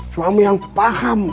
suami yang paham